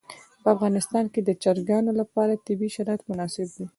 په افغانستان کې د چرګان لپاره طبیعي شرایط مناسب دي.